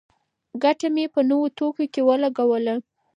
ګټه مې په نوو توکو کې ولګوله.